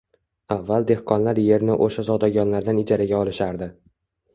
Avval dehqonlar yerni o‘sha zodagonlardan ijaraga olishardi